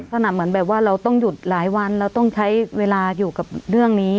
ลักษณะเหมือนแบบว่าเราต้องหยุดหลายวันเราต้องใช้เวลาอยู่กับเรื่องนี้